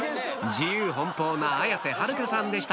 自由奔放な綾瀬はるかさんでした